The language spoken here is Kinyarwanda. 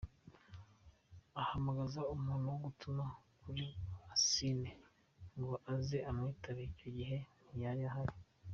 Ahamagaza umuntu wo gutuma kuri Rwasine ngo aze amwitabe, icyo gihe ntiyari ahari.